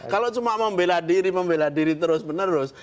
kalau cuma membela diri membela diri terus menerus